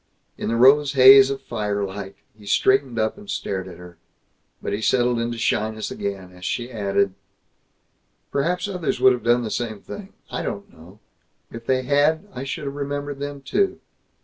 In the rose haze of firelight he straightened up and stared at her, but he settled into shyness again as she added: "Perhaps others would have done the same thing. I don't know. If they had, I should have remembered them too.